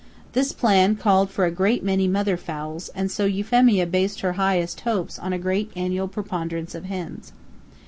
This plan called for a great many mother fowls, and so Euphemia based her highest hopes on a great annual preponderance of hens.